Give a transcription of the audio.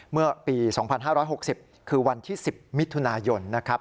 เมื่อปี๒๕๖๐คือวันที่๑๐มิถุนายนนะครับ